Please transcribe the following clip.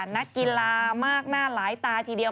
นักกีฬามากหน้าหลายตาทีเดียว